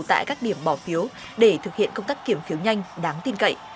tại các điểm bỏ phiếu để thực hiện công tác kiểm phiếu nhanh đáng tin cậy